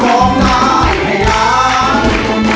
ร้องได้ให้ล้าน